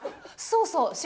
そうそう！